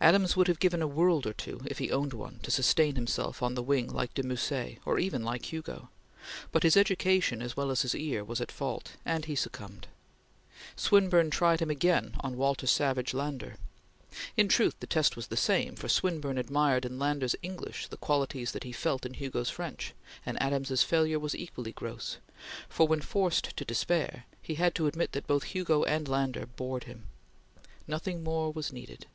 Adams would have given a world or two, if he owned one, to sustain himself on the wing like de Musset, or even like Hugo; but his education as well as his ear was at fault, and he succumbed. Swinburne tried him again on Walter Savage Landor. In truth the test was the same, for Swinburne admired in Landor's English the qualities that he felt in Hugo's French; and Adams's failure was equally gross, for, when forced to despair, he had to admit that both Hugo and Landor bored him. Nothing more was needed.